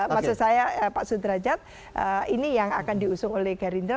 maksud saya pak sudrajat ini yang akan diusung oleh gerindra